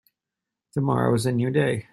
Tomorrow is a new day.